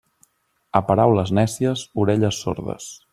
A paraules nècies, orelles sordes.